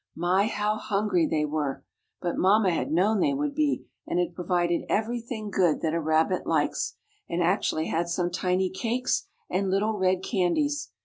My! how hungry they were. But mamma had known they would be, and had provided everything good that a rabbit likes, and actually had some tiny cakes, and little red candies.